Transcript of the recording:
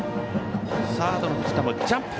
サードの藤田もジャンプ。